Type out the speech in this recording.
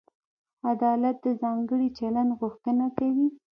عدالت د ځانګړي چلند غوښتنه کوي.